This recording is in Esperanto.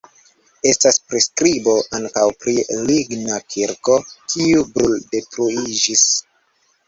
Estas priskribo ankaŭ pri ligna kirko, kiu bruldetruiĝis.